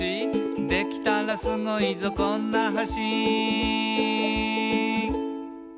「できたらスゴいぞこんな橋」